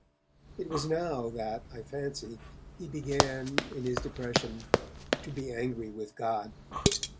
It was now that, I fancy, he began, in his depression, to be angry with God.